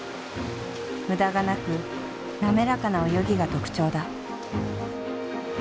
無駄がなく滑らかな泳ぎが特徴だ。